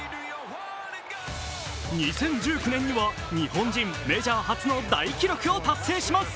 ２０１９年には日本人メジャー初の大記録を達成します。